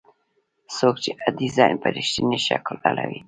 څوک چې ډیزاین په رښتیني شکل اړوي.